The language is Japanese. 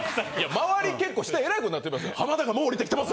周り結構下えらいことになってますよ。